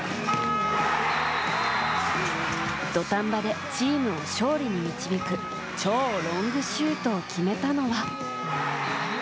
土壇場でチームを勝利に導く超ロングシュートを決めたのは。